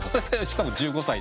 しかも１５歳。